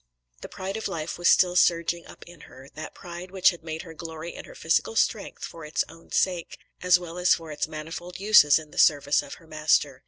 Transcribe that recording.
The pride of life was still surging up in her, that pride which had made her glory in her physical strength for its own sake, as well as for its manifold uses in the service of her Master.